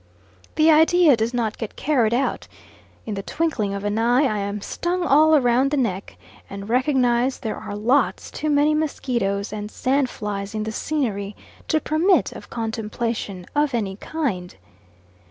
This idea does not get carried out; in the twinkling of an eye I am stung all round the neck, and recognise there are lots too many mosquitoes and sandflies in the scenery to permit of contemplation of any kind.